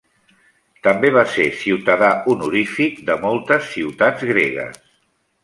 També va ser ciutadà honorífic de moltes ciutats gregues.